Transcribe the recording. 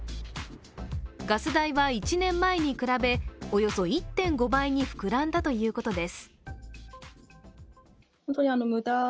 ガス代は１年前に比べおよそ１．５倍に膨らんだということです。